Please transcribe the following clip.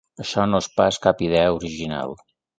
Això no és pas cap idea original.